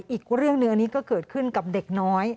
อีกเรื่องหนึ่งอันนี้ก็เกิดขึ้นกับเด็กน้อย